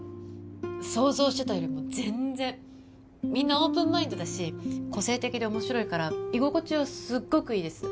想像してたよりも全然みんなオープンマインドだし個性的で面白いから居心地はすごくいいです